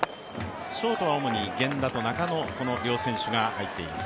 ショートは主に源田と中野、この両選手が入っています。